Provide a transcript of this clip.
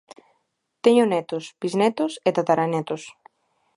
Teño netos, bisnetos e tataranetos.